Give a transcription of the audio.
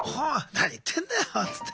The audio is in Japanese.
何言ってんだよっつって。